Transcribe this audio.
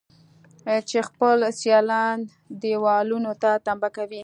چې خپل سيالان دېوالونو ته تمبه کړي.